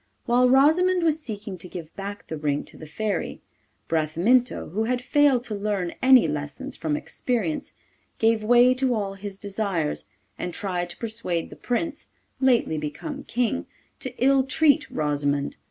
While Rosimond was seeking to give back the ring to the Fairy, Bramintho, who had failed to learn any lessons from experience, gave way to all his desires, and tried to persuade the Prince, lately become King, to ill treat Rosimond.